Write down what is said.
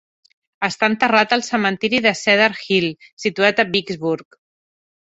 Està enterrat al cementiri de Cedar Hill, situat a Vicksburg.